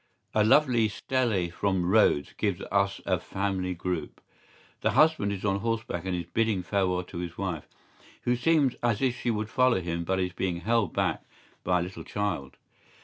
¬Ý A lovely stele from Rhodes gives us a family group.¬Ý The husband is on horseback and is bidding farewell to his wife, who seems as if she would follow him but is being held back by a little child.